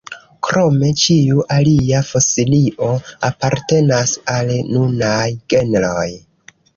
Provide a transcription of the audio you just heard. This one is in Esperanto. Krome ĉiu alia fosilio apartenas al nunaj genroj.